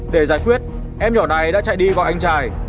để giải quyết em nhỏ này đã chạy đi vào anh trai